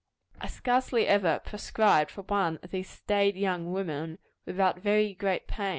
I scarcely ever prescribed for one of these staid young women, without very great pain.